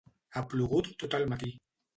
Ha plogut tot el matí.